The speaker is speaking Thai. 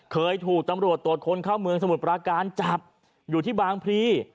เคยถูกตำรวจตรวจคนเข้าเมืองสมุทรปราการจับอยู่ที่บางพลี